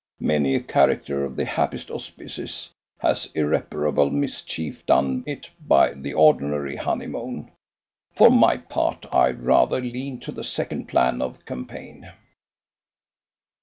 Many a character of the happiest auspices has irreparable mischief done it by the ordinary honeymoon. For my part, I rather lean to the second plan of campaign."